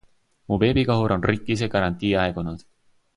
Mu beebikahur on rikkis ja garantii aegunud.